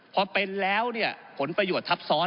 พอเป็นแล้วเนี่ยผลประโยชน์ทับซ้อน